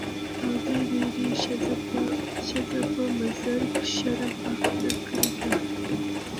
او دې ويرې ښځه په مضر شرم اخته کړې ده.